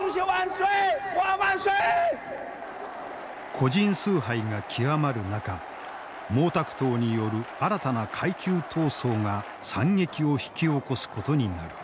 個人崇拝が極まる中毛沢東による新たな階級闘争が惨劇を引き起こすことになる。